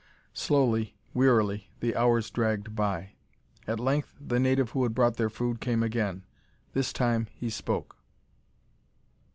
Slowly, wearily, the hours dragged by. At length the native who had brought their food came again. This time he spoke.